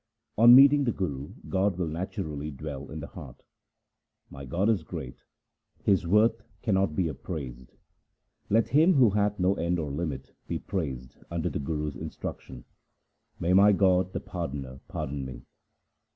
On meeting the Guru, God will naturally dwell in the heart. My God is great ; His worth cannot be appraised. Let Him who hath no end or limit, be praised under the Guru's instruction. May my God, the Pardoner, pardon me